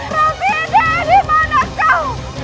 rai rai di mana kau